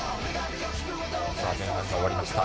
前半が終わりました。